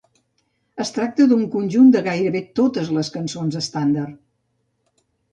Es tracta d'un conjunt de gairebé totes les cançons estàndard.